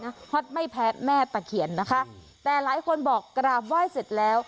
นะเพราะไม่แพ้แม่ปะเขียนนะคะแต่หลายคนบอกกราบว่ายเสร็จแล้ว